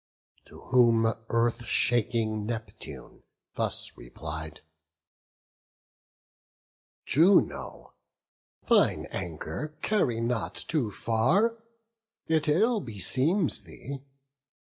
To whom Earth shaking Neptune thus replied: "Juno, thine anger carry not too far; It ill beseems thee.